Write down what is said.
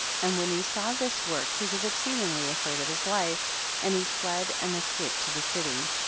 34. And when he saw this work he was exceedingly afraid of his life, and he fled and escaped to the city.